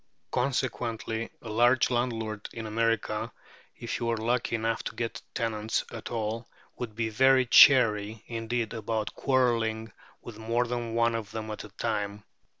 Consequently a large landlord in America, if he were lucky enough to get tenants at all, would be very chary indeed about quarrelling with more than one of them at a time.